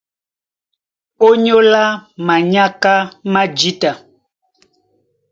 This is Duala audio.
Ónyólá manyáká má jǐta,